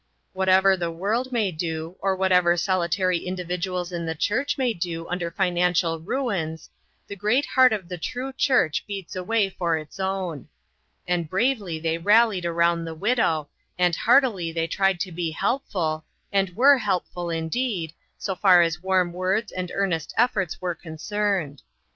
Whatever the world may do, or whatever solitary individ uals in the church may do under financial ruins, the great heart of the true church heats away for its own. And bravely they rallied around the widow, and heartily they tried to be helpful, and were helpful, indeed, so far as warm words and earnest efforts were concerned.